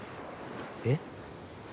えっ？